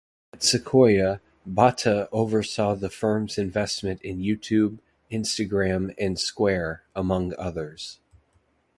At Sequoia, Botha oversaw the firm's investment in YouTube, Instagram, and Square, among others.